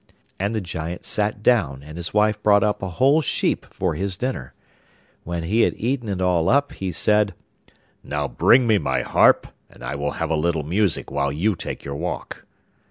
And the Giant sat down, and his wife brought up a whole sheep for his dinner. When he had eaten it all up, he said: 'Now bring me my harp, and I will have a little music while you take your walk.